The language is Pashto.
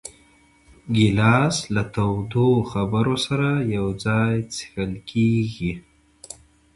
ګیلاس له تودو خبرو سره یو ځای څښل کېږي.